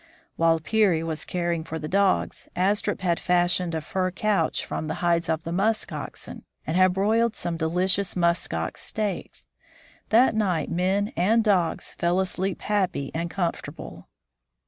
While Peary was caring for the dogs, Astrup had fash ioned a fur couch from the hides of the musk oxen, and had broiled some delicious musk ox steaks. That night men and dogs fell asleep happy and comfortable.